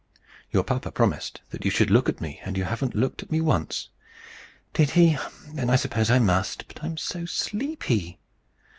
"Your papa promised that you should look at me, and you haven't looked at me once." "Did he? Then I suppose I must. But I am so sleepy!"